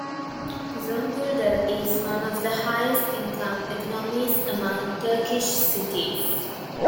Zonguldak is one of the highest income economies among Turkish cities.